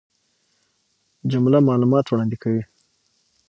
جمله معلومات وړاندي کوي.